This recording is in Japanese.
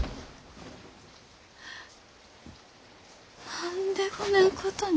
何でこねんことに。